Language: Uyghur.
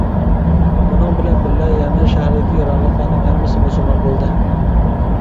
ئۇنىڭ بىلەن بىللە يەمەن شەھىرىدىكى ئىرانلىقلارنىڭ ھەممىسى مۇسۇلمان بولدى.